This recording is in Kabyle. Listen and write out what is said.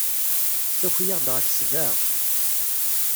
Ssaki-aɣ-d ɣef ssebɛa.